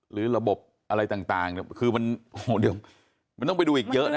หรือระบบอะไรต่างคือมันโอ้โหเดี๋ยวมันต้องไปดูอีกเยอะนะ